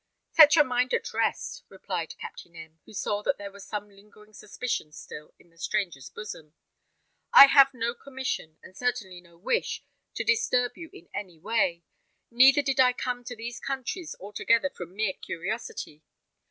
"Set your mind at rest," replied Captain M , who saw that there was some lingering suspicion still in the stranger's bosom. "I have no commission, and certainly no wish, to disturb you in any way; neither did I come to these countries altogether from mere curiosity.